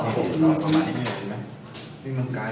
หลานจานเส้นเกรียมรายการ